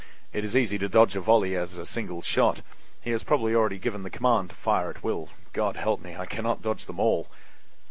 It is as easy to dodge a volley as a single shot. He has probably already given the command to fire at will. God help me, I cannot dodge them all!"